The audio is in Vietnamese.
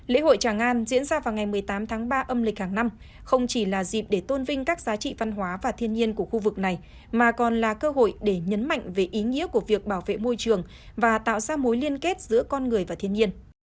lễ hội tràng an diễn ra vào ngày một mươi tám tháng ba âm lịch hàng năm không chỉ là dịp để tôn vinh các giá trị văn hóa và thiên nhiên của khu vực này mà còn là cơ hội để nhấn mạnh về ý nghĩa của việc bảo vệ môi trường và tạo ra mối liên kết giữa con người và thiên nhiên